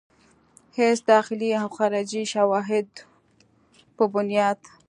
هيڅ داخلي او خارجي شواهدو پۀ بنياد